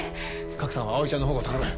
賀来さんは葵ちゃんの保護を頼む。